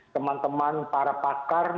teman teman para pakar